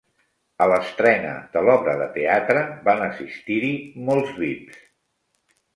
A l'estrena de l'obra de teatre, van assistir-hi molts vips.